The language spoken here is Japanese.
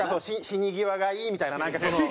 死に際がいいみたいななんかその。